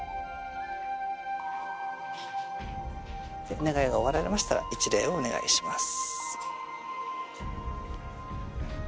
お願いが終わられましたら一礼をお願いします。